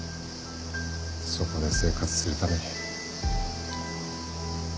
そこで生活するために。